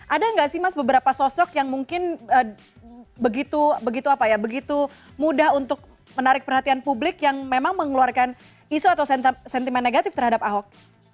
ada nggak sih mas beberapa sosok yang mungkin begitu mudah untuk menarik perhatian publik yang memang mengeluarkan isu atau sentimen negatif terhadap ahok